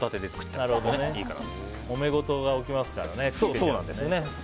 もめごとが起きますからね。